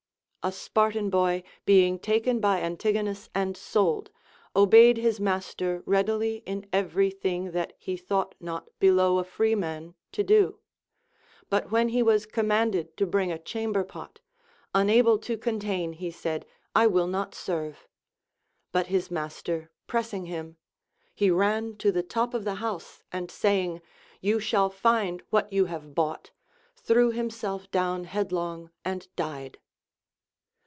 A Spartan boy, being taken by x\ntigonus and sold, obeyed his master readily in every thing that he thought not below a freeman to do ; but when he was commanded to bring a chamber pot, unable to contain he said, I will not serve; 436 LACONIC APOPHTHEGMS. but his master pressing him, he ran to the top of the house, and saying, You shall find what you have bought, threw himself down headlong and died.